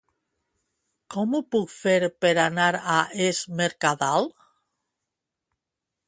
Com ho puc fer per anar a Es Mercadal?